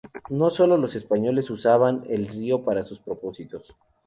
No sólo los españoles usaban el río para sus propósitos.